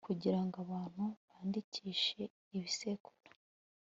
kugira ngo abantu bandikishe ibisekuru